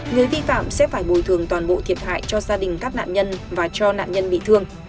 người vi phạm sẽ phải bồi thường toàn bộ thiệt hại cho gia đình các nạn nhân và cho nạn nhân bị thương